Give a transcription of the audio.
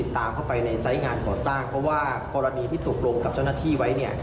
แต่ว่ากรณีที่ตกโปรบกับเจ้าหน้าที่ไว้